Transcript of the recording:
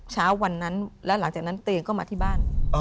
เช้าวันนั้นแล้วหลังจากนั้นตัวเองก็มาที่บ้าน